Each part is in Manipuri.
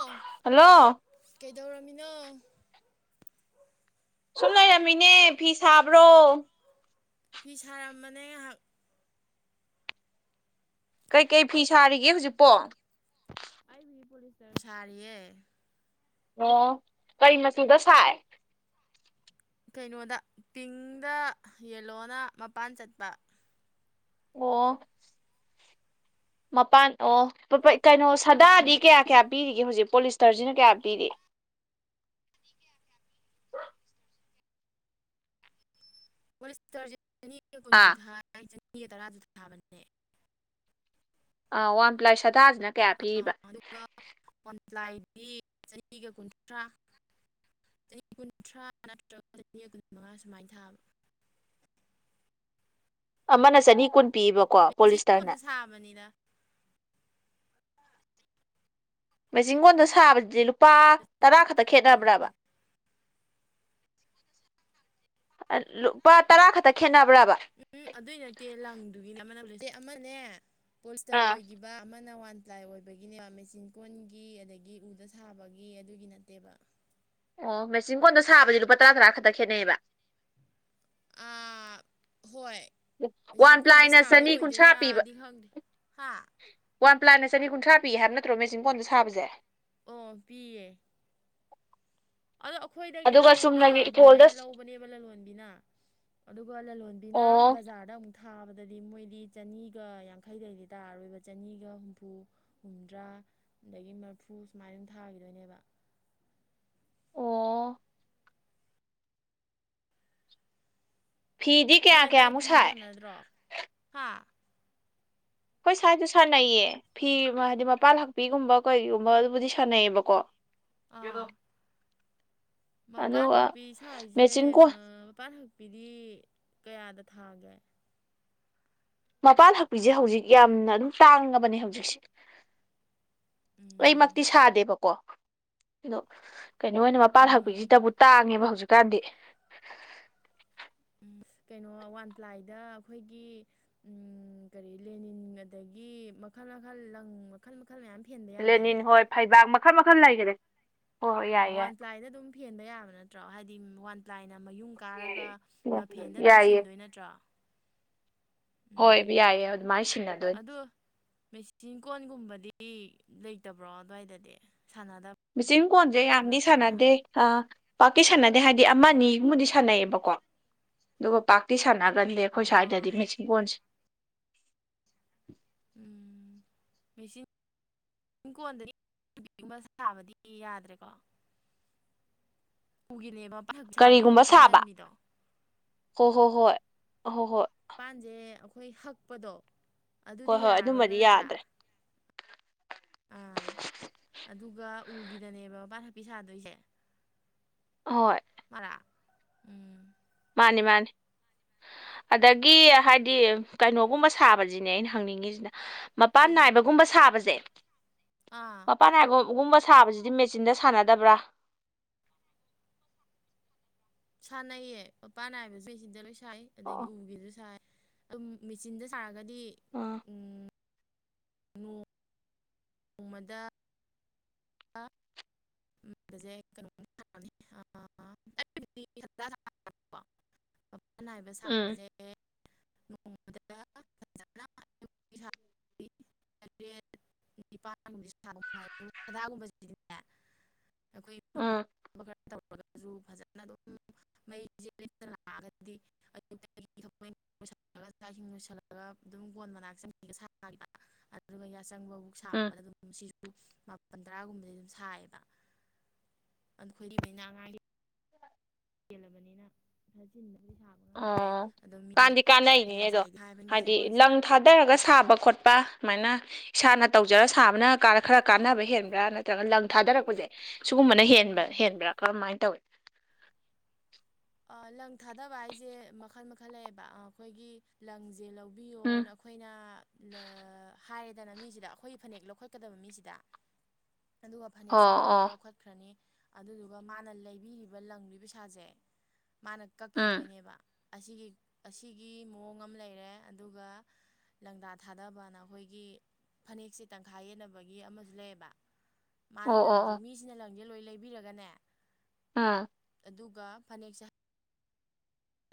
ꯑꯧ ꯍꯜꯂꯣ ꯀꯩꯗꯧꯔꯝꯃꯤꯅꯣ ꯁꯨꯝ ꯂꯩꯔꯝꯃꯤꯅꯦ ꯐꯤ ꯁꯥꯕ꯭ꯔꯣ ꯐꯤ ꯁꯥꯔꯝꯕꯅꯦ ꯉꯍꯥꯛ ꯀꯩꯀꯩ ꯐꯤ ꯁꯥꯔꯤꯒꯦ ꯍꯨꯖꯤꯛꯄꯣ ꯑꯩꯕꯨꯗꯤ ꯄꯣꯂꯤꯁꯇꯥꯔ ꯁꯥꯔꯤꯌꯦ ꯑꯣ ꯀꯩ ꯃꯆꯨꯗ ꯁꯥꯏ ꯀꯩꯅꯣꯗ ꯄꯤꯡꯗ ꯌꯦꯜꯂꯣꯅ ꯃꯄꯥꯟ ꯆꯠꯄ ꯑꯣ ꯃꯄꯥꯟ ꯑꯣ ꯄꯥ ꯄꯥ ꯀꯩꯅꯣ ꯁꯥꯗꯥꯗꯤ ꯀꯌꯥ ꯀꯌꯥ ꯄꯤꯔꯤꯒꯦ ꯍꯧꯖꯤꯛ ꯄꯣꯂꯤꯁꯇꯔꯁꯤꯅ ꯀꯌꯥ ꯄꯤꯔꯤ ꯄꯣꯂꯤꯁꯇꯔꯁꯦ ꯆꯅꯤꯒ ꯀꯨꯟꯁꯨ ꯑꯥ ꯊꯥꯏ ꯆꯅꯤꯒ ꯇꯔꯥꯁꯨ ꯊꯥꯕꯅꯦ ꯑꯥ ꯋꯥꯟ ꯄ꯭ꯂꯥꯏ ꯁꯗꯥꯁꯤꯅ ꯀꯌꯥ ꯑꯥ ꯄꯤꯔꯤꯕ ꯑꯗꯨꯒ ꯋꯥꯟ ꯄ꯭ꯂꯥꯏꯗꯤ ꯆꯥꯅꯤꯒ ꯀꯨꯟꯊ꯭ꯔꯥ ꯆꯅꯤ ꯀꯨꯟꯊ꯭ꯔꯥ ꯅꯠꯇ꯭ꯔꯒ ꯆꯅꯤ ꯀꯨꯟꯃꯉꯥ ꯁꯨꯃꯥꯏꯅ ꯊꯥꯕ ꯑꯃꯅ ꯆꯅꯤ ꯀꯨꯟ ꯄꯤꯕ [unintelligible] ꯀꯣꯟꯗ ꯁꯥꯕꯅꯤꯗ ꯃꯦꯆꯤꯟ ꯀꯣꯟꯗ ꯁꯥꯕꯁꯤꯗꯤ ꯂꯨꯄꯥ ꯇꯔꯥ ꯈꯛꯇ ꯈꯦꯠꯅꯕ꯭ꯔꯥꯕ ꯃꯥꯜꯂꯦ ꯑꯥ ꯂꯨꯄꯥ ꯇꯔꯥ ꯈꯛꯇ ꯈꯦꯠꯅꯕ꯭ꯔꯕ ꯎꯝ ꯑꯗꯨꯏ ꯅꯠꯇꯦ ꯂꯪꯗꯨꯒꯤꯅꯦ ꯑꯃ ꯑꯃꯅꯦ ꯄꯣꯁꯇꯔ ꯑꯥ ꯑꯣꯏꯒꯤ ꯕꯥ ꯑꯃꯅ ꯋꯥꯟ ꯄ꯭ꯂꯥꯏ ꯑꯣꯏꯕꯒꯤꯅꯦꯕ ꯃꯦꯆꯤꯟ ꯀꯣꯟꯒꯤ ꯑꯗꯒꯤ ꯎꯗ ꯁꯥꯕꯒꯤ ꯑꯗꯨꯒꯤ ꯅꯠꯇꯦꯕ ꯑꯣ ꯃꯦꯆꯤꯟ ꯀꯣꯟꯗ ꯁꯥꯕꯗꯤ ꯂꯨꯄꯥ ꯇꯔꯥ ꯇꯔꯥ ꯈꯛꯇ ꯈꯦꯠꯅꯩꯑꯦꯕ ꯑꯥ ꯍꯣꯏ ꯃꯦꯆꯤꯟ ꯋꯥꯟ ꯀꯣꯟꯗ ꯄ꯭ꯂꯥꯏꯅ ꯁꯥꯕꯩ ꯆꯅꯤ ꯀꯨꯟꯊ꯭ꯔꯥ ꯄꯤꯕ ꯑꯣꯏꯗꯣꯏꯔꯥꯗꯤ ꯈꯪꯗꯦ ꯍꯥ ꯋꯥꯟ ꯄ꯭ꯂꯥꯢꯅ ꯆꯅꯤ ꯀꯨꯟꯊ꯭ꯔꯥ ꯄꯤ ꯍꯥꯏꯕ ꯅꯠꯇ꯭ꯔꯣ ꯃꯦꯆꯤꯟ ꯀꯣꯟꯗ ꯁꯥꯕꯁꯦ ꯑꯣ ꯄꯤꯌꯦ ꯑꯗꯣ ꯑꯩꯈꯣꯏꯗꯒꯤ ꯑꯗꯨꯒ ꯂꯧꯕꯗ ꯆꯨꯝꯅꯒꯤ ꯏꯀꯣꯜꯗ ꯑꯗꯨꯃꯥꯏꯅ ꯂꯧꯕꯅꯦꯕ ꯂꯂꯣꯟꯕꯤꯅ ꯑꯗꯨꯒ ꯂꯂꯣꯟꯕꯤꯅ ꯑꯣ ꯕꯖꯥꯔꯗ ꯑꯃꯨꯛ ꯊꯥꯕꯗꯗꯤ ꯃꯣꯏꯗꯤ ꯆꯅꯤꯒ ꯌꯥꯡꯈꯩꯗꯩꯗꯤ ꯇꯥꯔꯔꯣꯏꯕ ꯆꯅꯤꯒ ꯍꯨꯝꯐꯨ ꯍꯨꯝꯗ꯭ꯔꯥ ꯑꯗꯒꯤ ꯃꯔꯐꯨ ꯁꯨꯃꯥꯏꯅ ꯗꯨꯝ ꯊꯥꯒꯤꯗꯣꯏꯅꯦꯕ ꯑꯣ ꯐꯤꯗꯤ ꯅꯣꯏ ꯀꯌꯥ ꯑꯗꯨꯋꯥꯏ ꯀꯌꯥꯃꯨꯛ ꯐꯤ ꯗ ꯁꯥꯏ ꯁꯥꯟꯅꯗ꯭ꯔꯣ ꯍꯥ ꯈꯣꯏ ꯁ꯭ꯥꯏꯗ ꯁꯥꯟꯅꯩꯌꯦ ꯐꯤ ꯍꯥꯏꯗꯤ ꯃꯄꯥꯥꯟ ꯍꯛꯄꯤꯒꯨꯝꯕ ꯀꯩꯒꯨꯝꯕ ꯑꯗꯨꯕꯨꯗꯤ ꯁꯥꯟꯅꯩꯌꯦꯕꯀꯣ ꯑꯥ ꯃꯄꯥꯟ ꯑꯗꯨꯒ ꯍꯛꯄꯤ ꯁꯥꯏꯖꯦ ꯃꯦꯆꯤꯟ ꯀꯣꯟ ꯑꯥ ꯃꯄꯥꯟ ꯍꯛꯄꯤꯗꯤ ꯀꯌꯥꯗ ꯊꯥꯒꯦ ꯃꯄꯥꯟ ꯍꯛꯄꯤꯖꯦ ꯍꯧꯖꯤꯛ ꯌꯥꯝꯅ ꯑꯗꯨꯝ ꯇꯥꯡꯉꯕꯅꯦ ꯍꯧꯖꯤꯛꯁꯦ ꯎꯝ ꯃꯛꯇꯤ ꯁꯥꯗꯦꯕꯀꯣ ꯑꯗꯣ ꯀꯩꯅꯣ ꯑꯣꯏꯅ ꯃꯄꯥꯥꯟ ꯎꯝ ꯍꯛꯄꯤꯖꯤꯗꯕꯨ ꯇꯥꯡꯉꯦꯕ ꯍꯧꯖꯤꯛꯀꯥꯟꯗꯤ ꯎꯝ ꯀꯩꯅꯣ ꯋꯥꯟ ꯄ꯭ꯂꯥꯏꯗ ꯑꯈꯣꯏꯒꯤ ꯎꯝ ꯀꯔꯤ ꯂꯦꯅꯤꯟ ꯑꯗꯒꯤ ꯃꯈꯜ ꯃꯈꯜ ꯂꯪ ꯃꯈꯜ ꯃꯈꯜ ꯃꯌꯥꯝ ꯐꯦꯟꯕ ꯂꯦꯅꯤꯟ ꯌꯥꯗꯥꯏꯅꯦ ꯍꯣꯏ ꯐꯩꯕꯥꯛ ꯃꯈꯜ ꯃꯈꯜ ꯂꯩꯒꯔꯦ ꯑ ꯋꯥꯟ ꯄ꯭ꯂꯥꯏꯗ ꯑꯗꯨꯝ ꯐꯦꯟꯕ ꯌꯥꯕ ꯅꯠꯇ꯭ꯔꯣ ꯍꯥꯏꯗꯤ ꯋꯥꯟ ꯄ꯭ꯂꯥꯏꯅ ꯃꯌꯨꯡ ꯀꯥꯔꯒ ꯃꯐꯦꯟꯗ ꯑꯗꯨꯝ ꯌꯥꯏꯌꯦ ꯁꯤꯟꯗꯣꯏ ꯅꯠꯇ꯭ꯔꯣ ꯎꯝ ꯍꯣꯏꯕ ꯌꯥꯏꯌꯦ ꯑꯗꯨꯃꯥꯏ ꯁꯤꯟꯅꯗꯣꯏ ꯆꯤꯟ ꯀꯣꯟꯒꯨꯝꯕꯗꯤ ꯂꯩꯇꯕ꯭ꯔꯣ ꯑꯗ꯭ꯋꯥꯏꯗꯗꯤ ꯁꯥꯟꯅꯗ ꯃꯦꯆꯤꯟ ꯀꯣꯟꯖꯦ ꯌꯥꯝꯗꯤ ꯁꯥꯟꯅꯗꯦ ꯑ ꯄꯥꯥꯛꯇꯤ ꯁꯥꯟꯅꯗꯦ ꯍꯥꯏꯗꯤ ꯑꯃꯅꯤꯒꯨꯝꯕꯗꯤ ꯁꯥꯟꯅꯩꯌꯦꯕꯀꯣ ꯑꯗꯨꯒ ꯄꯥꯛꯇꯤ ꯁꯥꯟꯅꯒꯟꯗꯦ ꯑꯈꯣꯏ ꯑꯥ ꯁ꯭ꯋꯥꯏꯗꯗꯤ ꯃꯦꯆꯤꯟ ꯀꯣꯟꯖꯦ ꯎꯝ ꯃꯦꯆꯤꯟ ꯏꯟ ꯀꯣꯟꯗꯤ [unintelligible] ꯁꯥꯕꯗꯤ ꯌꯥꯗ꯭ꯔꯦꯀꯣ ꯎꯒꯤꯅꯦꯕ ꯄꯥꯛ ꯁꯥꯗ꯭ꯔꯤꯀꯣ ꯀꯔꯤꯒꯨꯝꯕ ꯁꯥꯕ ꯐꯦꯟꯖꯟꯕꯤꯗꯣ ꯍꯣ ꯍꯣ ꯍꯣꯏ ꯑꯍꯣ ꯍꯣꯏ ꯄꯥꯟꯖꯦ ꯑꯈꯣꯏ ꯍꯛꯄꯗꯣ ꯍꯣꯏ ꯑꯗꯨꯗꯤ ꯍꯣꯏ ꯌꯥꯔꯔꯣꯏꯕ ꯑꯗꯨꯝꯕꯗꯤ ꯅꯠꯇ꯭ꯔꯥ ꯌꯥꯗ꯭ꯔꯦ ꯑ ꯑꯗꯨꯒ ꯎꯒꯤꯗꯅꯦꯕ ꯃꯄꯥꯥꯟ ꯍꯛꯄꯤ ꯁꯥꯗꯣꯏꯖꯦ ꯍꯣꯏ ꯃꯂꯥ ꯎꯝ ꯃꯥꯅꯦ ꯃꯥꯅꯦ ꯑꯗꯒꯤ ꯍꯥꯏꯗꯤ ꯀꯩꯅꯣꯒꯨꯝꯕ ꯁꯥꯕꯖꯤꯅꯦ ꯑꯩꯅ ꯍꯪꯅꯤꯡꯉꯤꯖꯤꯅ ꯃꯄꯥꯟ ꯀꯔꯤ ꯅꯥꯏꯕꯒꯨꯝꯕ ꯁꯥꯕꯖꯦ ꯑꯥ ꯃꯄꯥꯟꯅꯥꯏꯒꯨꯝꯕ ꯁꯥꯕꯖꯤꯗꯤ ꯃꯦꯆꯤꯟꯗ ꯁꯥꯟꯅꯗꯕ꯭ꯔꯥ ꯁꯥꯟꯅꯩꯌꯦ ꯃꯄꯥꯟ ꯅꯥꯏꯕꯖꯨ ꯑꯁꯤꯗ ꯂꯣꯏ ꯁꯥꯏ ꯑꯗꯩ ꯑꯣ ꯎꯒꯤꯖꯨ ꯁꯥꯏ ꯑꯗꯨꯝ ꯃꯦꯆꯤꯟꯗ ꯁꯥꯔꯒꯗꯤ ꯎꯝ ꯅꯣꯡ ꯅꯣꯡꯃꯗ ꯑꯥ ꯕꯖꯧ ꯀꯩꯅꯣꯗꯤ [unintelligible] ꯃꯄꯥꯟ ꯅꯥꯏꯕ ꯎꯝ ꯁꯥꯕꯖꯦ ꯅꯣꯡꯃꯗ ꯐꯖꯅ [unintelligible] ꯇꯔꯦꯠ ꯅꯤꯄꯥꯥꯟꯒꯨꯝꯕꯖꯦ ꯁꯥꯕ ꯅꯨꯡꯉꯥꯏ ꯑꯗꯨꯒ ꯁꯗꯥꯒꯨꯝꯕꯖꯤꯗꯤ ꯑꯈꯣꯏꯒꯤ [unintelligible] ꯎꯝ ꯈꯔ ꯇꯧꯔꯒꯖꯨ ꯐꯖꯅ ꯑꯗꯨꯝ ꯃꯩꯖꯦ ꯂꯦꯞꯇꯅ ꯂꯥꯛꯑꯒꯗꯤ [unintelligible] ꯆꯥꯛ ꯏꯁꯤꯡ ꯂꯣꯏꯁꯜꯂꯒ ꯑꯗꯨꯝ ꯀꯣꯟ ꯃꯅꯥꯛ ꯆꯪꯉꯤꯒ ꯁꯥꯒꯤꯕ ꯑꯗꯨꯒ ꯌꯥꯆꯪꯕꯕꯨꯛ ꯎꯝ ꯁꯥꯕꯗ ꯑꯗꯨꯝ ꯁꯤꯖꯨ ꯃꯥꯄꯟ ꯇꯔꯥꯒꯨꯝꯕꯗꯤ ꯑꯗꯨꯝ ꯁꯥꯏꯌꯦꯕ ꯑꯗꯣ ꯈꯣꯏꯗꯤ ꯃꯤꯅ ꯑꯉꯥꯡꯒꯤ ꯍꯦꯜꯂꯕꯅꯤꯅ [unintelligible] ꯐꯤꯁꯥ ꯉꯝꯗ꯭ꯔꯦ ꯑꯣ ꯑꯗꯣ ꯃꯤꯗꯤ ꯀꯥꯟꯗꯤ ꯌꯥꯝ ꯀꯥꯟꯅꯩꯅꯤꯅꯦ ꯌꯥꯝ ꯑꯗꯣ ꯁꯥꯏꯗꯤ ꯍꯥꯏꯕꯅꯤ ꯃꯦꯆꯤꯟ ꯍꯥꯏꯗꯤ ꯀꯣꯟꯖꯦ ꯂꯪ ꯊꯥꯗꯔꯒ ꯁꯥꯕ ꯈꯣꯠꯄ ꯑꯃꯥꯏꯅ ꯏꯁꯥꯅ ꯇꯧꯖꯔ ꯁꯥꯕꯅ ꯈꯔ ꯀꯥꯟꯅꯕ ꯍꯦꯟꯕ꯭ꯔꯥ ꯅꯠꯇ꯭ꯔꯒ ꯂꯪ ꯊꯥꯗꯔꯛꯄꯖꯦ ꯁꯨꯒꯨꯝꯕꯅ ꯍꯦꯟꯕ ꯎꯝ ꯍꯦꯟꯕ꯭ꯔꯥ ꯀꯔꯝꯃꯥꯏ ꯇꯧꯏ ꯑ ꯂꯪ ꯊꯥꯗꯕ ꯍꯥꯏꯖꯦ ꯃꯈꯜ ꯃꯈꯜ ꯂꯩꯌꯦꯕ ꯑꯈꯣꯏꯒꯤ ꯂꯪꯖꯦ ꯂꯧ ꯎꯝ ꯕꯤꯌꯣꯅ ꯑꯈꯣꯏꯅ ꯂ ꯍꯥꯏꯔꯦꯗꯅ ꯃꯤꯖꯤꯗ ꯑꯈꯣꯏꯒꯤ ꯐꯅꯦꯛ ꯂꯧꯈꯠꯀꯗꯕ ꯃꯤꯖꯤꯗꯥ ꯑꯗꯨꯒ ꯐꯅꯦꯛꯁꯦ ꯑꯣ ꯃꯣꯏꯅ ꯂꯣꯏ ꯑꯣ ꯂꯧꯈꯠ ꯆꯠꯈ꯭ꯔꯅꯤ ꯑꯗꯨꯗꯨꯒ ꯃꯥꯅ ꯂꯩꯕꯤꯔꯤꯕ ꯂꯪꯗꯨꯒꯤ ꯄꯩꯁꯥꯁꯦ ꯃꯥꯅ ꯎꯝ ꯀꯛꯈꯤꯗꯣꯏꯅꯦꯕ ꯑꯁꯤꯒꯤ ꯑꯁꯤꯒꯤ ꯃꯑꯣꯡ ꯑꯃ ꯂꯩꯔꯦ ꯑꯗꯨꯒ ꯂꯪꯗꯥ ꯊꯥꯗꯕꯅ ꯑꯩꯈꯣꯏꯒꯤ ꯐꯅꯦꯛꯁꯦ ꯇꯪꯈꯥꯏ ꯌꯦꯟꯅꯕꯒꯤ ꯑꯃꯁꯨ ꯂꯩꯌꯦꯕ ꯃꯥꯅ ꯑꯣ ꯑꯣ ꯂꯪꯁꯦ ꯑꯣ ꯃꯤꯁꯤꯅ ꯂꯪꯁꯦ ꯂꯣꯏ ꯂꯩꯕꯤꯔꯒꯅꯦ ꯑꯥ ꯑꯗꯨꯒ ꯐꯅꯦꯛ ꯁꯦ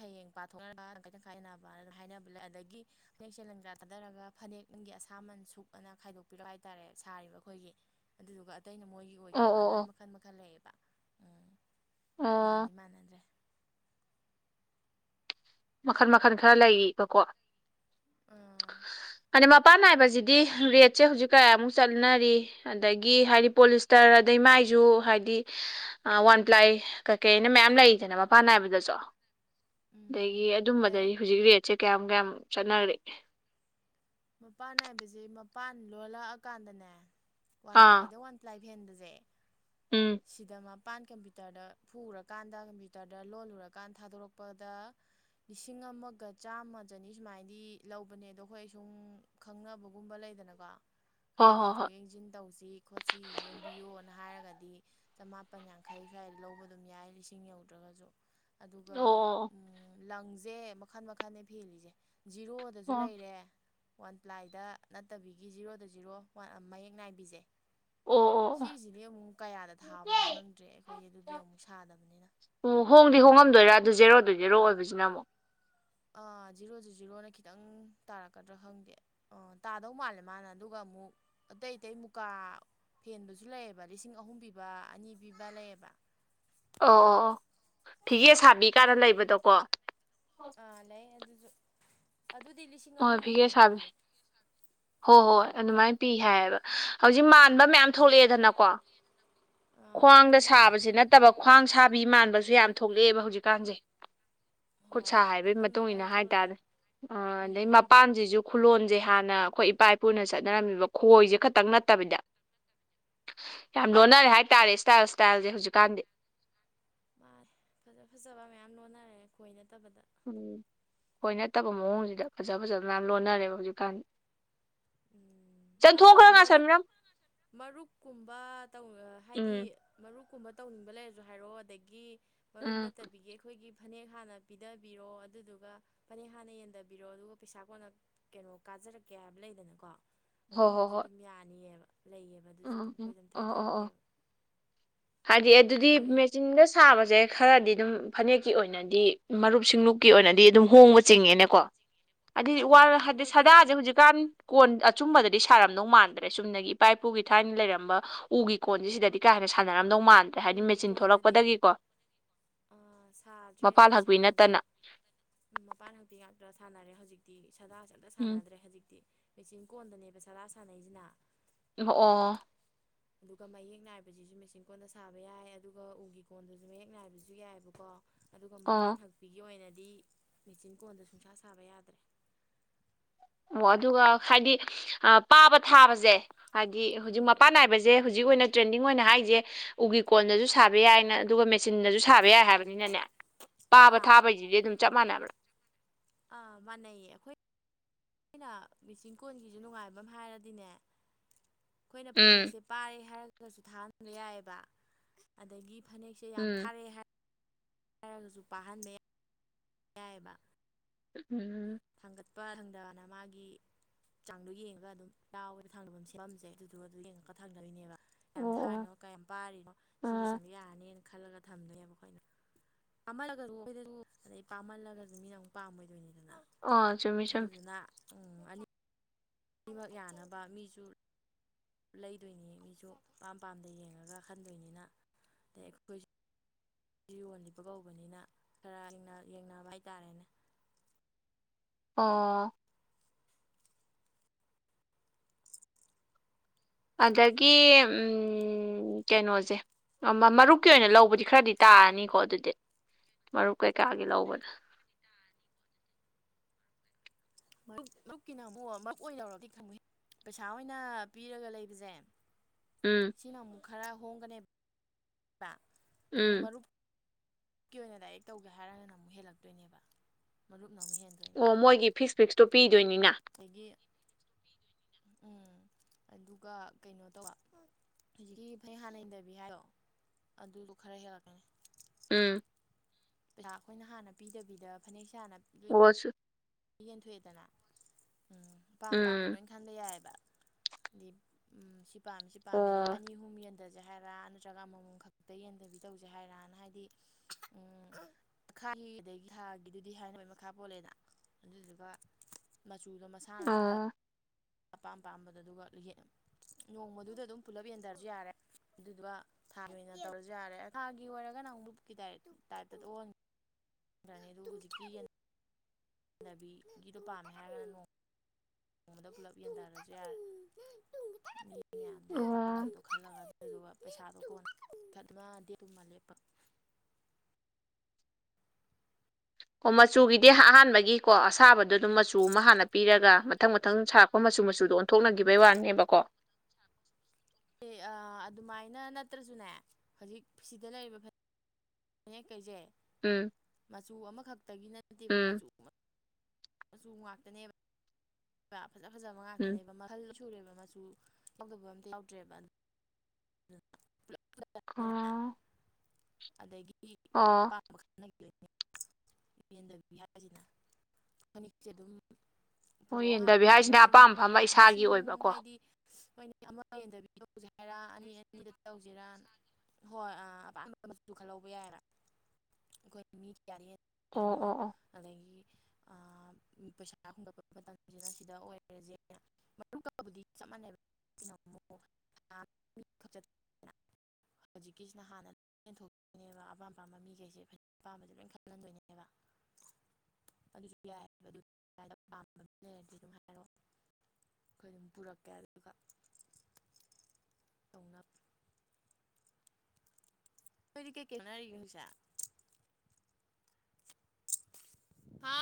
ꯍꯌꯦꯡ ꯄꯥꯊꯣꯛꯅꯔꯒ ꯇꯪꯈꯥꯏ ꯇꯪꯈꯥꯏ ꯌꯦꯟꯅꯕꯅ ꯍꯥꯏꯅꯕ ꯂꯩ ꯑꯗꯒꯤ ꯐꯅꯦꯛꯁꯦ ꯂꯪꯖꯥ ꯊꯥꯗꯔꯒ ꯐꯅꯦꯛ ꯅꯪꯒꯤ ꯑꯁꯥꯃꯟ ꯁꯨꯛ ꯑꯅ ꯈꯥꯏꯗꯣꯛꯄꯤꯔꯛꯄ ꯍꯥꯏꯇꯥꯔꯦ ꯁꯥꯔꯤꯕ ꯑꯩꯈꯣꯏꯒꯤ ꯑꯗꯨꯗꯨꯒ ꯑꯇꯩꯅ ꯃꯣꯏꯒꯤ ꯑꯣ ꯑꯣꯏꯈꯤꯕ ꯑꯣ ꯑꯗꯨꯃꯥꯏꯅ ꯑꯣ ꯃꯈꯜ ꯃꯈꯜ ꯂꯩꯌꯦꯕ ꯎꯝ ꯃꯥꯟꯗꯤ ꯑꯣ ꯃꯥꯟꯅꯗ꯭ꯔꯦ ꯃꯈꯟ ꯃꯈꯜ ꯈꯔ ꯂꯩꯔꯤꯕꯀꯣ ꯑꯝ ꯍꯥꯏꯗꯤ ꯃꯄꯥꯟ ꯅꯥꯏꯕꯁꯤꯗꯤ ꯔꯦꯠꯁꯦ ꯍꯧꯖꯤꯛ ꯀꯌꯥꯃꯨꯛ ꯆꯠꯅꯔꯤ ꯑꯗꯒꯤ ꯍꯥꯏꯗꯤ ꯄꯣꯂꯤꯁꯇꯔ ꯑꯗꯩ ꯃꯥꯏꯁꯨ ꯍꯥꯏꯗꯤ ꯑ ꯋꯥꯟ ꯄ꯭ꯂꯥꯏ ꯀꯩꯀꯩꯅ ꯃꯌꯥꯝ ꯂꯩꯔꯤꯗꯅ ꯃꯄꯥꯟ ꯅꯥꯏꯕꯗꯁꯨ ꯎꯝ ꯑꯗꯒꯤ ꯂꯩ ꯑꯗꯨꯝꯕꯗꯗꯤ ꯍꯧꯖꯤꯛ ꯔꯦꯠꯁꯦ ꯀꯌꯥꯝ ꯀꯌꯥꯝ ꯆꯠꯅꯔꯤ ꯃꯄꯥꯟ ꯅꯥꯏꯕꯁꯤ ꯃꯄꯥꯟ ꯂꯣꯜꯂꯛꯑꯀꯥꯟꯗꯅꯦ ꯋꯥꯟ ꯑꯥ ꯄ꯭ꯂꯥꯏꯗ ꯋꯥꯟ ꯂꯥꯏ ꯐꯦꯟꯕꯁꯦ ꯎꯝ ꯁꯤꯗ ꯃꯄꯥꯟ ꯀꯝꯄ꯭ꯌꯨꯇꯔꯗ ꯐꯨꯔꯀꯥꯟꯗ ꯀꯝꯄ꯭ꯌꯨꯇꯔꯗ ꯂꯣꯜꯂꯨꯔꯀꯥꯟ ꯊꯥꯗꯣꯔꯛꯄꯗ ꯂꯤꯁꯤꯡ ꯑꯃꯒ ꯆꯥꯝꯃ ꯆꯅꯤ ꯁꯨꯃꯥꯏꯅꯗꯤ ꯂꯧꯕꯅꯦ ꯑꯗꯣ ꯑꯩꯈꯣꯏ ꯗꯨꯝ ꯈꯪꯅꯕꯒꯨꯝꯕ ꯂꯩꯗꯅꯀꯣ ꯈꯔ ꯍꯣꯏ ꯍꯣꯏ ꯍꯣꯏ ꯌꯦꯡꯊꯣꯛ ꯌꯦꯡꯁꯤꯟ ꯇꯧꯁꯤ ꯈꯣꯠꯁꯤ ꯌꯦꯡꯕꯤꯌꯣꯅ ꯍꯥꯏꯔꯒꯗꯤ ꯆꯃꯥꯄꯟ ꯌꯥꯡꯈꯩ ꯁ꯭ꯋꯥꯏ ꯂꯧꯕ ꯑꯗꯨꯝ ꯌꯥꯏ ꯂꯤꯁꯤꯡ ꯌꯧꯗ꯭ꯔꯒꯁꯨ ꯑꯗꯨꯒ ꯑꯣ ꯎꯨꯝ ꯂꯪꯁꯦ ꯃꯈꯜ ꯃꯈꯜꯅꯦ ꯐꯦꯜꯂꯤꯁꯦ ꯖꯤꯔꯣ ꯗꯁꯨ ꯑꯣ ꯑꯣ ꯂꯩꯔꯦ ꯋꯥꯟ ꯄ꯭ꯂꯥꯏꯗ ꯅꯠꯇꯕꯤꯒꯤ ꯖꯤꯔꯣꯗ ꯖꯤꯔꯣ ꯃꯌꯦꯛ ꯅꯥꯏꯕꯤꯁꯦ ꯑꯣ ꯑꯣ ꯁꯤꯁꯤꯗꯤ ꯑꯃꯨꯛ ꯀꯌꯥꯗ ꯊꯥꯕꯅꯣ ꯈꯪꯗ꯭ꯔꯦ ꯑꯩꯈꯣꯏꯗꯤ ꯑꯗꯨꯗꯤ ꯑꯣ ꯑꯃꯨꯛ ꯁꯥꯗꯕꯅꯤꯅ ꯑꯣ ꯍꯣꯡꯗꯤ ꯍꯣꯡꯉꯝꯗꯣꯏꯔꯥ ꯑꯗꯨ ꯖꯦꯔꯣꯗ ꯖꯦꯔꯣ ꯑꯣꯏꯕꯁꯤꯅ ꯑꯃꯨꯛ ꯑꯥ ꯖꯤꯔꯣꯗ ꯖꯤꯔꯣꯅ ꯈꯤꯇꯪ ꯇꯥꯔꯛꯀꯗ꯭ꯔꯥ ꯈꯪꯗꯦ ꯑꯣ ꯇꯥꯗꯧ ꯃꯥꯜꯂꯦ ꯃꯥꯅ ꯑꯗꯨꯒ ꯑꯃꯨꯛ ꯑꯇꯩ ꯑꯇꯩ ꯃꯨꯀꯥ ꯐꯦꯟꯕꯁꯨ ꯂꯩꯌꯦꯕ ꯂꯤꯁꯤꯡ ꯑꯍꯨꯝ ꯄꯤꯕ ꯑꯅꯤ ꯄꯤꯕ ꯂꯩꯌꯦꯕ ꯑꯣ ꯑꯣ ꯑꯣ ꯐꯤꯒꯦ ꯁꯥꯕꯤ ꯀꯥꯟꯅ ꯂꯩꯕꯗꯣꯀꯣ ꯑꯥ ꯂꯩ ꯑꯗꯨꯁꯨ ꯑꯗꯨꯗꯤ ꯂꯤꯁꯤꯡ ꯍꯣꯏ ꯐꯤꯒꯦ ꯑꯍꯨꯝꯃꯨꯛ ꯁꯥꯕꯤ ꯄꯤꯌꯦ ꯍꯣꯏ ꯍꯣꯏ ꯎꯝ ꯑꯗꯨꯃꯥꯏꯅ ꯄꯤ ꯍꯥꯏꯌꯦꯕ ꯍꯧꯖꯤꯛ ꯃꯥꯟꯕ ꯃꯌꯥꯝ ꯊꯣꯛꯂꯛꯑꯦ ꯗꯅꯀꯣ ꯑꯥ ꯈ꯭ꯋꯥꯡꯗ ꯊꯣꯛꯂꯛꯑꯦ ꯁꯥꯕꯁꯤ ꯅꯠꯇꯕ ꯈ꯭ꯋꯥꯡ ꯁꯥꯕꯤ ꯃꯥꯟꯕꯁꯨ ꯌꯥꯝ ꯊꯣꯛꯂꯛꯑꯦꯕ ꯍꯧꯖꯤꯛꯀꯥꯟꯁꯦ ꯈꯨꯠꯁꯥ ꯍꯣꯏ ꯍꯩꯕꯒꯤ ꯃꯈꯜ ꯃꯇꯨꯡ ꯃꯈꯜ ꯏꯟꯅ ꯊꯣꯛꯂꯛꯑꯦ ꯍꯥꯏꯇꯥꯔꯦ ꯑ ꯑꯗꯒꯤ ꯎꯝ ꯃꯄꯥꯟ ꯃꯁꯤꯁꯨ ꯈꯨꯂꯣꯟꯁꯦ ꯍꯥꯟꯅ ꯑꯩꯈꯣꯏ ꯏꯄꯥ ꯏꯄꯨꯅ ꯆꯠꯅꯔꯝꯃꯤꯕ ꯈꯣꯏꯁꯦ ꯈꯛꯇꯪ ꯅꯠꯇꯕꯤꯗ ꯌꯥꯝ ꯂꯣꯟꯅꯔꯦ ꯍꯥꯏꯇꯥꯔꯦ ꯏꯁꯇꯥꯏꯜ ꯏꯁꯇꯥꯏꯜꯁꯦ ꯍꯧꯖꯤꯛꯀꯥꯟꯗꯤ ꯃꯥꯟꯅꯦ ꯐꯖ ꯐꯖꯕ ꯃꯌꯥꯝ ꯂꯣꯟꯅꯔꯦ ꯈꯣꯏ ꯅꯠꯇꯕꯗ ꯎꯨ ꯈꯣꯏ ꯅꯠꯇꯕ ꯃꯑꯣꯡꯁꯤꯗ ꯐꯖ ꯐꯖꯕ ꯃꯌꯥꯝ ꯂꯣꯟꯅꯔꯦꯕ ꯍꯧꯖꯤꯛꯀꯥꯟ ꯎꯨꯝ ꯑꯗꯣ ꯈꯔ ꯃꯔꯨꯞ ꯉꯥꯁꯟꯕꯤꯔꯝꯃꯨ ꯃꯔꯨꯞꯀꯨꯝꯕ ꯇꯧ ꯍꯥꯏꯗꯤ ꯎꯝ ꯃꯔꯨꯞ ꯀꯨꯝꯕ ꯇꯧꯅꯤꯡꯕ ꯂꯩꯔꯁꯨ ꯍꯥꯏꯔꯛꯑꯣ ꯑꯗꯒꯤ ꯃꯔꯨꯝ ꯎꯝ ꯅꯠꯇꯕꯤꯒꯤ ꯑꯩꯈꯣꯏꯒꯤ ꯐꯅꯦꯛ ꯍꯥꯟꯅ ꯄꯤꯗꯕꯤꯔꯣ ꯑꯗꯨꯗꯨꯒ ꯐꯅꯦꯛ ꯍꯥꯟꯅ ꯌꯦꯟꯗꯕꯤꯔꯣ ꯑꯗꯨꯒ ꯄꯩꯁꯥ ꯀꯣꯟꯅ ꯀꯩꯅꯣ ꯀꯥꯖꯔꯛꯀꯦ ꯍꯥꯏꯕ ꯂꯩꯗꯅꯀꯣ ꯍꯣꯏ ꯍꯣꯏ ꯑꯗꯨꯝꯕꯁꯨ ꯍꯣꯏ ꯑꯗꯨꯝ ꯌꯥꯅꯤꯑꯦꯕ ꯂꯩꯌꯦꯕ ꯑꯗꯨꯁꯨ ꯎꯝ ꯑꯗꯨꯝ ꯑꯩꯈꯣꯏ ꯎꯝ ꯑꯗꯨꯝ ꯑꯣ ꯑꯣ ꯑꯣ ꯊꯥꯗꯔꯛꯀꯦꯕ ꯍꯥꯏꯗꯤ ꯑꯗꯣ ꯑꯗꯨꯗꯤ ꯅꯣꯏ ꯃꯦꯆꯤꯟꯒ ꯁꯥꯕꯁꯦ ꯈꯔꯗꯤ ꯑꯗꯨꯝ ꯐꯅꯦꯛꯀꯤ ꯑꯣꯏꯅꯗꯤ ꯃꯔꯨꯞ ꯁꯤꯡꯂꯨꯞꯀꯤ ꯑꯣꯏꯅꯗꯤ ꯑꯗꯨꯝ ꯍꯣꯡꯕ ꯆꯤꯡꯉꯦꯅꯦꯀꯣ ꯍꯥꯏꯗꯤ ꯋꯥ ꯍꯥꯏꯗꯤ ꯍꯣꯏ ꯈꯔ ꯁꯗꯥꯁꯦ ꯍꯧꯖꯤꯛ ꯀꯥꯟ ꯀꯣꯟ ꯑꯆꯨꯝꯕꯗꯗꯤ ꯁꯥꯔꯝꯗꯧ ꯃꯥꯟꯗ꯭ꯔꯦ ꯆꯨꯝꯅꯒꯤ ꯏꯄꯥ ꯏꯄꯨꯒꯤ ꯊꯥꯏꯅ ꯂꯩꯔꯝꯕ ꯎꯒꯤ ꯀꯣꯟꯁꯤ ꯁꯤꯗꯗꯤ ꯀꯥ ꯍꯦꯟꯅ ꯁꯥꯟꯅꯔꯝꯗꯧ ꯃꯥꯟ ꯎꯒꯤ ꯀꯣꯟꯗꯗꯤ ꯑꯥ ꯁꯥꯗ꯭ꯔꯦ ꯃꯄꯥꯜ ꯑꯗꯨꯗꯤ ꯍꯛꯄꯤ ꯁꯥꯟꯅꯗ꯭ꯔꯦ ꯅꯠꯇꯅ ꯃꯄꯥꯟ ꯍꯛꯄꯤ ꯉꯥꯛꯇ ꯁꯥꯟꯅꯔꯦ ꯍꯧꯖꯤꯛꯇꯤ ꯁꯥꯗꯥꯁꯦ ꯑꯝꯇ ꯎꯝ ꯁꯥꯟꯅꯗ꯭ꯔꯦ ꯍꯧꯖꯤꯛꯇꯤ ꯃꯦꯆꯤꯟ ꯀꯣꯟꯗꯅꯦꯕ ꯁꯗꯥ ꯁꯥꯟꯅꯩꯁꯤꯅ ꯑꯣ ꯑꯗꯨꯒ ꯃꯌꯦꯛ ꯅꯥꯏꯕꯁꯤꯁꯨ ꯃꯦꯆꯤꯟ ꯀꯣꯟꯗ ꯁꯥꯕ ꯌꯥꯏ ꯑꯗꯨꯒ ꯎꯒꯤ ꯀꯣꯟꯗꯁꯨ ꯃꯌꯦꯛ ꯅꯥꯏꯕꯁꯨ ꯌꯥꯏꯑꯦꯕꯀꯣ ꯑꯗꯨꯒ ꯃꯄꯥꯟ ꯑꯣ ꯍꯛꯄꯤꯒꯤ ꯑꯣꯏꯅꯗꯤ ꯃꯦꯆꯤꯟ ꯀꯣꯟꯗ ꯁꯨꯡꯁꯥ ꯁꯥꯕ ꯌꯥꯗ꯭ꯔꯦ ꯑꯣ ꯑꯗꯨꯒ ꯍꯥꯏꯗꯤ ꯄꯥꯕ ꯊꯥꯕꯁꯦ ꯍꯥꯏꯗꯤ ꯍꯧꯖꯤꯛ ꯎꯝ ꯃꯄꯥꯟ ꯅꯥꯏꯕꯁꯦ ꯁꯦ ꯍꯧꯖꯤꯛ ꯑꯣꯏꯅ ꯇ꯭ꯔꯦꯟꯗꯤꯡ ꯑꯣꯏꯅ ꯍꯥꯏꯁꯦ ꯎꯒꯤ ꯀꯣꯟꯗꯁꯨ ꯁꯥꯕ ꯌꯥꯏꯅ ꯑꯗꯨꯒ ꯃꯦꯆꯤꯟꯗꯁꯨ ꯁꯥꯕ ꯌꯥꯏ ꯍꯥꯏꯕꯅꯤꯅꯅꯦ ꯄꯥꯕ ꯑꯥ ꯊꯥꯕꯩꯁꯤꯗꯤ ꯑꯗꯨꯝ ꯆꯞ ꯃꯥꯟꯅꯕ꯭ꯔꯥ ꯑꯥ ꯃꯥꯟꯅꯩꯌꯦ ꯑꯈꯣꯏ ꯑꯩꯈꯣꯏꯅ ꯃꯤꯆꯤꯟ ꯀꯣꯟꯒꯤꯁꯨ ꯅꯨꯡꯉꯥꯏꯕ ꯑꯃ ꯍꯥꯏꯔꯗꯤꯅꯦ ꯑꯩꯈꯣꯏꯅ ꯐꯅꯦꯛ ꯎꯝ ꯁꯦꯠ ꯄꯥꯔꯦ ꯍꯥꯏꯔꯒꯁꯨ ꯊꯥꯍꯟꯕ ꯌꯥꯏꯑꯦꯕ ꯑꯗꯒꯤ ꯐꯅꯦꯛꯁꯦ ꯌꯥꯝ ꯎꯝ ꯊꯥꯔꯛꯑꯦ ꯍꯥꯏꯔ ꯍꯥꯏꯔꯒꯁꯨ ꯄꯥꯍꯟꯕ ꯌꯥꯢ ꯌꯥꯏꯑꯦꯕ ꯎꯝ ꯊꯥꯡꯒꯠꯄ ꯊꯥꯡꯗꯕꯅ ꯃꯥꯒꯤ ꯆꯥꯡꯗꯣ ꯌꯦꯡꯉꯒ ꯑꯗꯨꯝ ꯌꯥꯥꯎꯋꯦꯅ ꯊꯥꯡꯗ ꯑꯗꯨꯝ ꯁꯦꯝꯃꯦ ꯁꯦ ꯑꯗꯨꯗꯨ ꯑꯗꯨ ꯌꯦꯡꯉꯒ ꯊꯥꯡꯗꯔꯤꯅꯦꯕ ꯀꯌꯥꯝ ꯑꯣ ꯑꯣ ꯊꯥꯔꯤꯅꯣ ꯀꯌꯥꯝ ꯄꯥꯔꯤꯅꯣ ꯁꯤꯒꯤ ꯑꯣ ꯆꯥꯡꯗ ꯌꯥꯔꯅꯤꯅ ꯈꯜꯂꯒ ꯊꯝꯗꯣꯏꯅꯦꯕ ꯑꯈꯣꯏꯅ ꯄꯥꯃꯜꯂꯒꯁꯨꯨ ꯑꯈꯣꯢꯗꯁꯨ ꯑꯗꯩ ꯄꯥꯃꯜꯂꯒꯁꯨ ꯃꯤꯅ ꯑꯃꯨꯛ ꯄꯥꯝꯃꯣꯏꯗꯣꯏꯅꯤꯗꯅ ꯑꯥ ꯆꯨꯝꯃꯤ ꯆꯨꯝꯃꯤ ꯑꯗꯨꯗꯨꯅ ꯑꯅꯤꯃꯛ ꯌꯥꯅꯕ ꯃꯤꯁꯨ ꯂꯩꯗꯣꯏꯅꯤ ꯃꯤꯁꯨ ꯑꯄꯥꯝ ꯄꯥꯝꯗ ꯌꯦꯡꯉꯒ ꯈꯟꯗꯣꯏꯅꯤꯅ ꯑꯗꯩ ꯑꯩꯈꯣꯏꯁꯨ ꯌꯣꯜꯂꯤꯕ ꯀꯧꯕꯅꯤꯅ ꯈꯔ ꯌꯦꯡꯅ ꯌꯦꯡꯅꯕ ꯍꯥꯏꯇꯥꯔꯦꯅꯦ ꯑꯣ ꯑꯗꯒꯤ ꯎꯝ ꯎꯝ ꯀꯩꯅꯣꯁꯦ ꯃꯔꯨꯞꯀꯤ ꯑꯣꯏꯅ ꯂꯧꯕꯗꯤ ꯈꯔꯗꯤ ꯇꯥꯔꯅꯤꯀꯣ ꯑꯗꯨꯗꯤ ꯃꯔꯨꯞ ꯀꯩꯀꯥꯒꯤ ꯂꯧꯕꯗ ꯃꯔꯨꯞ ꯃꯔꯨꯞꯀꯤꯅ ꯑꯃꯨꯛ ꯃꯔꯨꯞ ꯑꯣꯏꯅ ꯂꯧꯔꯗꯤ [unintelligible] ꯄꯩꯁꯥ ꯑꯣꯏꯅ ꯄꯤꯔꯒ ꯂꯩꯕꯁꯦ ꯎꯝ ꯁꯤꯅ ꯑꯃꯨꯛ ꯈꯔ ꯍꯣꯡꯒꯅꯦꯕ ꯑꯗꯨ ꯎꯝ ꯃꯔꯨꯞ ꯀꯤ ꯑꯣꯏꯅ ꯗꯥꯏꯔꯦꯛ ꯇꯧꯒꯦ ꯍꯥꯏꯔꯒꯅ ꯑꯃꯨꯛ ꯍꯦꯜꯂꯛꯇꯣꯏꯅꯦꯕ ꯃꯔꯨꯞ ꯅ ꯑꯃꯨꯛ ꯍꯦꯟꯗꯣꯏ ꯑꯣ ꯃꯣꯏꯒꯤ ꯐꯤꯛꯁ ꯐꯤꯛꯁꯇꯣ ꯄꯤꯗꯣꯏꯅꯤꯅ ꯑꯗꯒꯤ ꯎꯝ ꯑꯗꯨꯒ ꯀꯩꯅꯣ ꯇꯧꯕ ꯍꯧꯖꯤꯛꯀꯤ ꯐꯩ ꯍꯥꯟꯅ [unintelligible] ꯍꯥꯏꯗꯣ ꯑꯗꯨꯁꯨ ꯈꯔ ꯍꯦꯜꯂꯛꯀꯅꯤ ꯎꯝ ꯄꯩꯁꯥ ꯑꯩꯈꯣꯏꯅ ꯍꯥꯟꯅ ꯄꯤꯗꯕꯤꯗ ꯐꯅꯦꯛꯁꯤ ꯍꯥꯟꯅ ꯄꯤꯗꯣꯢꯅꯤ [unintelligible] ꯌꯦꯟꯊꯣꯛꯑꯦꯗꯅ ꯎꯝ ꯑꯄꯥꯝ ꯑꯄꯥꯝꯕ ꯎꯝ ꯂꯣꯏ ꯈꯟꯕ ꯌꯥꯏꯑꯕ ꯎꯝ ꯁꯤ ꯄꯥꯝꯃꯤ ꯁꯤ ꯄꯥꯝꯃꯤ ꯑꯗꯒꯤ ꯑꯣ ꯑꯅꯤ ꯑꯍꯨꯝ ꯌꯦꯟꯊꯣꯛ ꯍꯟꯗꯁꯤ ꯍꯥꯏꯔꯥ ꯅꯠꯇ꯭ꯔꯒ ꯑꯃꯃꯝ ꯈꯛꯇ ꯌꯦꯟꯊꯕꯤ ꯇꯧꯁꯤ ꯍꯥꯏꯔꯅ ꯍꯥꯏꯗꯤ ꯎꯝ [unintelligible] ꯑꯗꯒꯤ ꯊꯥꯒꯤꯗꯨꯗꯤ ꯍꯥꯏꯅꯕꯩ ꯃꯈꯥ ꯄꯣꯜꯂꯦꯗꯅ ꯑꯗꯨꯗꯨꯒ ꯃꯆꯨ ꯃꯁꯥꯅ ꯈꯜꯂ ꯑꯣ ꯑꯄꯥꯝ ꯄꯥꯝꯕꯗꯨ ꯑꯗꯨꯒ ꯅꯣꯡꯃꯗꯨꯗ ꯑꯗꯨꯝ ꯄꯨꯂꯞ ꯌꯦꯟꯗꯔꯁꯨ ꯌꯥꯔꯦ ꯑꯗꯨꯗꯨ ꯊꯥꯒꯤ ꯑꯣꯢꯅ ꯇꯧꯔꯁꯨ ꯌꯥꯔꯦ ꯊꯥꯒꯤ ꯑꯣꯏꯔꯒ ꯑꯃꯨꯛ [unintelligible] ꯀꯤ ꯇꯥꯏꯞꯇ ꯑꯣꯟ [unintelligible] [inaudible] ꯌꯦꯟꯗꯕꯤꯒꯤꯗꯣ ꯄꯥꯝꯗꯦ ꯍꯥꯏꯔꯒꯅ ꯅꯣꯡ ꯃꯗ [unintelligible] ꯄꯨꯂꯞ ꯌꯦꯟꯊꯔꯁꯨ ꯌꯥꯔꯦ ꯃꯌꯥꯝꯗꯩ ꯑꯣ ꯑꯄꯥꯝꯕꯗꯣ ꯈꯜꯂꯒ ꯑꯗꯨꯗꯨꯒ ꯄꯩꯁꯥꯗꯣ ꯀꯣꯟ ꯇꯞꯅ ꯗꯦꯠꯇꯨꯃ ꯂꯦꯞꯄ ꯑꯣ ꯃꯆꯨꯒꯤꯗꯤ ꯑꯍꯥꯟꯕꯒꯤꯀꯣ ꯑꯁꯥꯕꯗꯣ ꯑꯗꯨꯝ ꯃꯆꯨ ꯑꯃ ꯍꯥꯟꯅ ꯄꯤꯔꯒ ꯃꯊꯪ ꯃꯊꯪ ꯁꯥꯔꯛ ꯃꯆꯨ ꯃꯆꯨꯗꯣ ꯑꯣꯟꯊꯣꯛꯅꯒꯤꯕꯩ ꯋꯥꯅꯦꯕꯀꯣ ꯑꯦ ꯑꯥ ꯑꯗꯨꯃꯥꯏꯅ ꯅꯠꯇ꯭ꯔꯖꯨꯅꯦ ꯍꯧꯖꯤꯛ ꯁꯤꯗ ꯂꯩꯔꯤꯕ ꯅꯦ ꯀꯩꯖꯦ ꯎꯝ ꯃꯆꯨ ꯑꯃꯈꯛꯇꯒꯤ ꯅꯠꯇꯦꯕ ꯎꯝ ꯃꯆꯨ ꯃꯆꯨ ꯉꯥꯛꯇꯅꯦꯕ ꯕ꯭ꯔꯥ ꯐꯖ ꯐꯖꯕ ꯎꯝ ꯉꯥꯛꯇꯅꯦꯕ ꯃꯈꯜ ꯁꯨꯔꯦꯕ ꯃꯆꯨ ꯂꯧꯗꯕ ꯑꯝꯇ ꯌꯥꯎꯗ꯭ꯔꯦꯕ [unintelligible] ꯑꯣ ꯑꯗꯒꯤ ꯑꯣ ꯑꯄꯥꯝꯕ ꯈꯜ [unintelligible] ꯐꯅꯦꯛꯁꯦ ꯑꯗꯨꯝ ꯍꯣꯏ ꯄꯨꯔꯣꯑꯣ ꯌꯦꯟꯗꯕꯤ [unintelligible] ꯍꯥꯏꯁꯤꯅ ꯃꯁꯤꯡ ꯑꯄꯥꯝꯕ ꯃ ꯑꯃ ꯏꯁꯥꯒꯤ ꯃꯁꯤꯡ ꯑꯣꯏꯕꯀꯣ ꯍꯥꯏꯗꯤ [unintelligible] ꯍꯣꯏꯅꯦ ꯑꯃ [unintelligible] ꯍꯥꯏꯔꯛꯑꯅꯤ [unintelligible] ꯍꯣꯏ ꯑ ꯑꯄꯥꯝꯕ ꯃꯆꯨ ꯈꯜꯂꯧꯕ ꯌꯥꯏꯌꯦꯕ [unintelligible] ꯑꯣ ꯍꯥꯏꯅꯣ ꯑꯣ ꯑꯣ ꯑꯗꯒꯤ ꯑꯥ ꯄꯩꯁꯥ ꯍꯨꯟꯒꯠꯄ ꯃꯇꯝꯖꯤꯅ ꯁꯤꯗ ꯑꯣꯏꯔꯖꯦꯅ [unintelligible] [unintelligible] ꯍꯧꯖꯤꯛꯀꯤꯁꯤꯅ ꯍꯥꯟꯅ [unintelligible] ꯑꯄꯥꯝ ꯄꯥꯝꯕ ꯃꯤꯒꯩꯖꯦ [unintelligible] ꯑꯄꯥꯝꯕꯖꯦ ꯂꯣꯏ ꯈꯜꯂꯟꯗꯣꯏꯅꯦꯕ ꯑꯗꯨꯖꯨ ꯌꯥꯏ ꯑꯗꯣ [unintelligible] ꯂꯩꯔꯗꯤ ꯑꯗꯨꯝ ꯍꯥꯏꯔꯑꯣ ꯈꯣꯏ ꯑꯗꯨꯝ ꯄꯨꯔꯛꯀꯦ ꯑꯗꯨꯗꯨꯒ ꯇꯧꯅꯞ ꯅꯣꯏꯗꯤ ꯀꯩ ꯀꯩ ꯍꯣꯠꯅꯔꯤꯒꯦ ꯍꯧꯖꯤꯛꯁꯦ ꯍꯥ